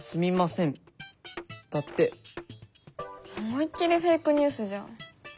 思いっ切りフェイクニュースじゃん。